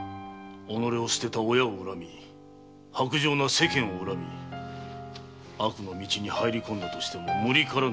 己を捨てた親を恨み薄情な世間を恨み悪の道に入り込んだとしても無理からぬ話だ。